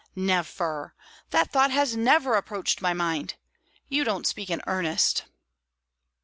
"Never! That thought has never approached my mind. You don't speak in earnest?"